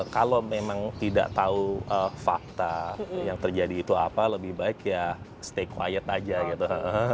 kalau memang tidak tahu fakta yang terjadi itu apa lebih baik ya stay quiet aja gitu